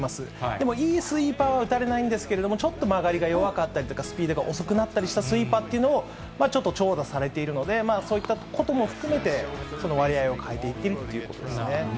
でもいいスイーパーは打たれないんですけど、ちょっと曲がりが弱かったりとか、スピードが遅くなったりしたスイーパーっていうのを、ちょっと長打されているので、そういったことも含めて、その割合を変えていってるということですね。